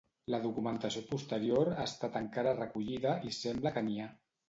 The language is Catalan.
La documentació posterior ha estat encara recollida i sembla que n'hi ha.